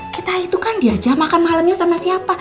kita itu kan dia jam akan malamnya sama siapa